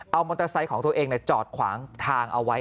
เอามอเตอร์ไซค์ของตัวเองจอดขวางทางเอาไว้